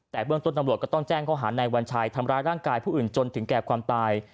แต่เบื้องทนหลวงก็ต้องแจ้งเค้าหาวัณชัยธรรมรายร่างกายผู้อื่นจนถึงแก่ความตาย